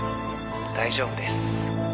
大丈夫です」